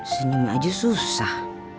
senyum aja susah